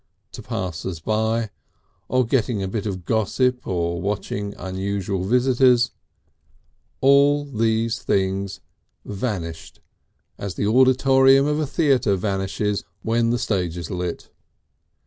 to passers by, or getting a bit of gossip or watching unusual visitors, all these things vanished as the auditorium of a theatre vanishes when the stage is lit.